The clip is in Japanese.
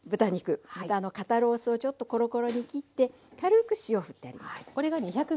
豚の肩ロースをちょっとコロコロに切って軽く塩ふってあります。